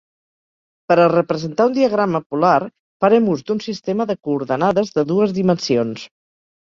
Per a representar un diagrama polar farem ús d'un sistema de coordenades de dues dimensions.